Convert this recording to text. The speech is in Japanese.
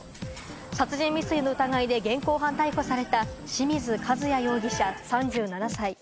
殺人未遂の疑いで現行犯逮捕された清水和也容疑者、３７歳。